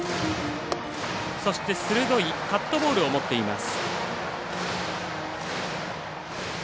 そして、鋭いカットボールを持っています。